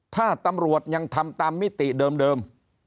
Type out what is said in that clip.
ถ้าตำรวจยังทำตามมิติเดิม